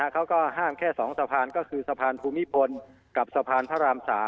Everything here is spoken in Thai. เขาก็ห้ามแค่๒สะพานก็คือสะพานภูมิพลกับสะพานพระราม๓